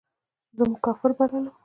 زه مو کافر بللم.